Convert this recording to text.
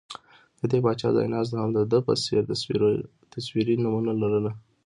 د دې پاچا ځایناستو هم د ده په څېر تصویري نومونه لرل